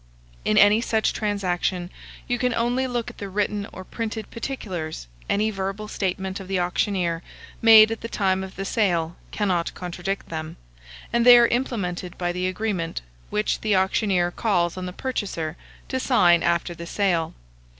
In any such transaction you can only look at the written or printed particulars; any verbal statement of the auctioneer, made at the time of the sale, cannot contradict them, and they are implemented by the agreement, which the auctioneer calls on the purchaser to sign after the sale.